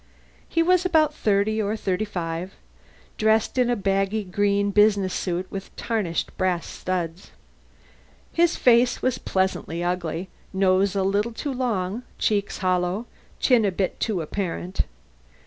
He was about thirty or thirty five, dressed in a baggy green business suit with tarnished brass studs. His face was pleasantly ugly nose a little too long, cheeks hollow, chin a bit too apparent.